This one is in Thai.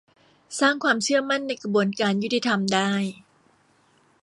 สร้างความเชื่อมั่นในกระบวนการยุติธรรมได้